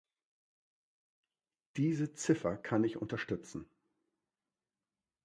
Diese Ziffer kann ich unterstützen.